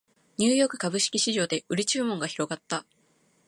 ニューヨーク株式市場で売り注文が広がった